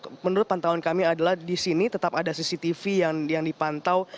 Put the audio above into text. menurut pantauan kami adalah di sini tetap ada cctv yang dipantau